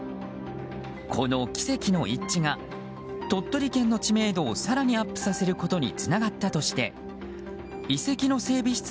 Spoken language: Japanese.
この奇跡の一致が鳥取県の知名度を更にアップさせることにつながったとして遺跡の整備